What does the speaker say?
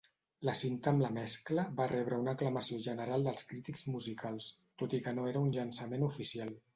La cinta amb la mescla va rebre una aclamació general dels crítics musicals, tot i que no era un llançament oficial.